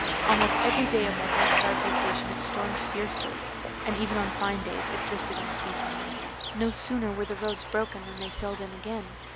Almost every day of that ill starred vacation it stormed fiercely; and even on fine days it drifted unceasingly. No sooner were the roads broken than they filled in again.